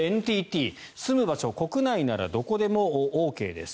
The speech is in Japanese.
ＮＴＴ、住む場所国内ならどこでもＯＫです。